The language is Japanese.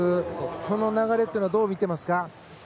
この流れはどう見ていますか？